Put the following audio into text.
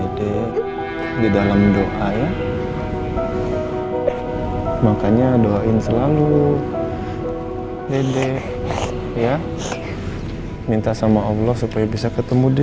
kehilangan seorang ibu di usia seperti itu